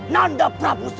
nanda prabu sulawesi